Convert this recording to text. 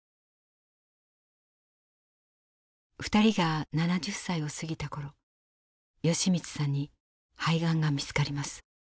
２人が７０歳を過ぎた頃好光さんに肺がんが見つかります。